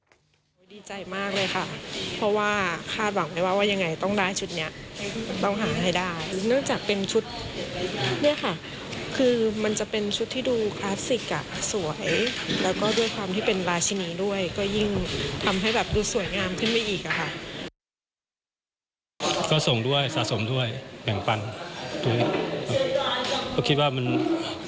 คุณค่ะคุณค่ะคุณค่ะคุณค่ะคุณค่ะคุณค่ะคุณค่ะคุณค่ะคุณค่ะคุณค่ะคุณค่ะคุณค่ะคุณค่ะคุณค่ะคุณค่ะคุณค่ะคุณค่ะคุณค่ะคุณค่ะคุณค่ะคุณค่ะคุณค่ะคุณค่ะคุณค่ะคุณค่ะคุณค่ะคุณค่ะคุณค่ะคุณค่ะคุณค่ะคุณค่ะคุณค